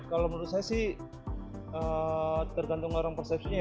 kalau menurut saya sih tergantung orang persepsinya ya